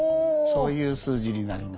そういう数字になります。